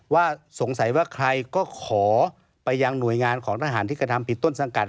ว่าสงสัยว่าใครก็ขอไปยังหน่วยงานของทหารที่กระทำผิดต้นสังกัด